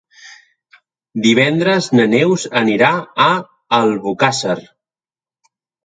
Divendres na Neus anirà a Albocàsser.